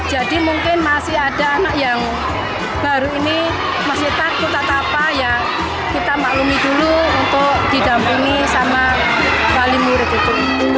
jadi mungkin masih ada anak yang baru ini masih takut atau apa yang kita maklumi dulu untuk didampingi oleh bali murid itu